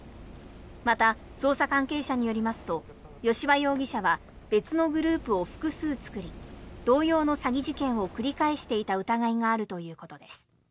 また、捜査関係者によりますと吉羽容疑者は別のグループを複数作り同様の詐欺事件を繰り返していた疑いがあるということです。